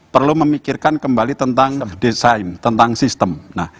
perlu memikirkan kembali tentang desain tentang sistem